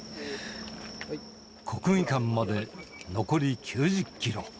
国技館まで残り９０キロ。